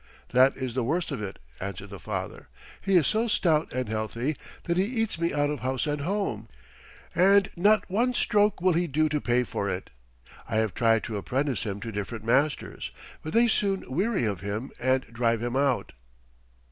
"That is the worst of it," answered the father. "He is so stout and healthy that he eats me out of house and home, and not one stroke will he do to pay for it. I have tried to apprentice him to different masters, but they soon weary of him and drive him out."